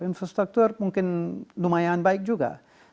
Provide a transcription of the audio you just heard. infrastruktur mungkin lumayan baik juga